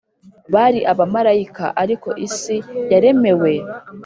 bari abamarayika. ariko isi yaremewe